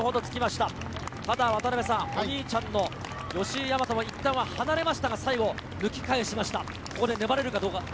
ただお兄ちゃんの吉居大和がいったんは離れましたが、最後抜き返しました。